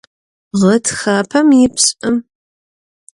Гъэтхапэм ипшӏым.